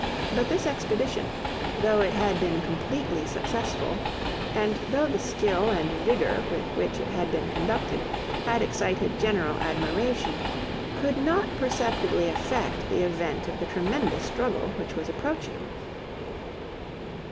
But this expedition, though it had been completely successful, and though the skill and vigour with which it had been conducted had excited general admiration, could not perceptibly affect the event of the tremendous struggle which was approaching.